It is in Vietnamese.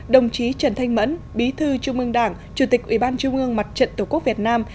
đồng chí trần thanh mẫn bí thư trung ương đảng chủ tịch ủy ban trung ương mặt trận tổ quốc việt nam